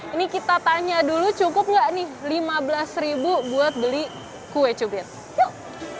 ini kita tanya dulu cukup nggak nih lima belas ribu buat beli kue cubit yuk